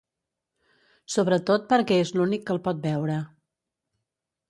Sobretot perquè és l'únic que el pot veure.